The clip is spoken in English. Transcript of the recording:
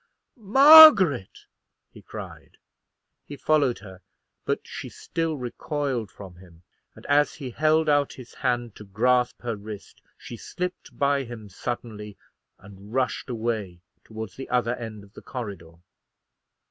"Margaret!" he cried. He followed her, but she still recoiled from him, and, as he held out his hand to grasp her wrist, she slipped by him suddenly, and rushed away towards the other end of the corridor.